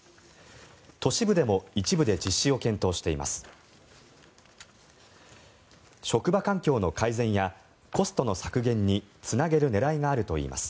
都市部でも一部で実施を検討しています。